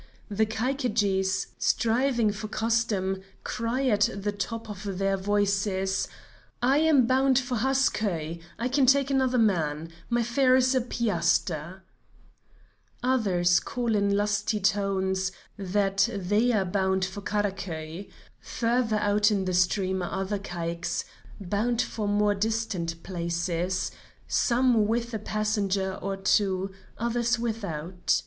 The Caiquedjis, striving for custom, cry at the top of their voices: "I am bound for Haskeuy; I can take another man; my fare is a piaster!" Others call in lusty tones, that they are bound for Karakeuy. Further out in the stream are other caiques, bound for more distant places, some with a passenger or two, others without.